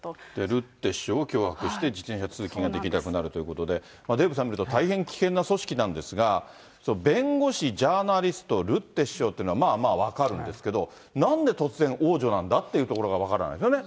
ルッテ首相を脅迫して自転車通勤ができなくなるということで、デーブさん、見ると大変危険な組織なんですが、弁護士、ジャーナリスト、ルッテ首相をっていうのはまあまあ分かるんですけど、なんで突然、王女なんだってところが分からないんですよね。